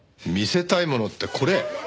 見せたいものってこれ？